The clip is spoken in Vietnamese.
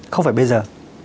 không phải bây giờ